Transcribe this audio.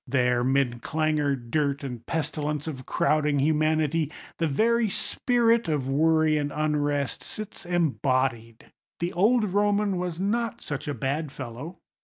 There, 'mid clangour, dirt, and pestilence of crowding humanity, the very spirit of worry and unrest sits embodied. The old Roman was not such a bad fellow.